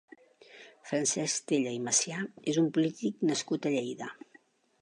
Francesc Tella i Macià és un polític nascut a Lleida.